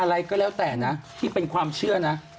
อะไรก็แล้วแต่นะที่เป็นความเชื่อนะ